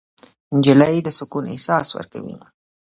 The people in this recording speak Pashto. نجلۍ د سکون احساس ورکوي.